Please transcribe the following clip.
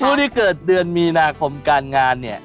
ผู้ที่เกิดเดือนมีนาคมการงานเนี่ย